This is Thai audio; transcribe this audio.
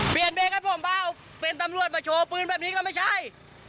เปลี่ยนเบคครับพรุ่งพรุ่งเปล่าเป็นตำรวจมาโชว์ปืนแบบนี้ก็ไม่ใช่